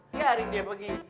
biarin dia pergi